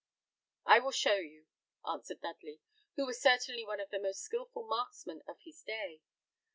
"I will show you," answered Dudley, who was certainly one of the most skilful marksmen of his day.